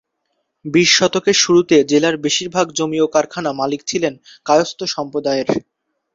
বিশ শতকের শুরুতে জেলার বেশিরভাগ জমি ও কারখানার মালিক ছিলেন কায়স্থ সম্প্রদায়ের।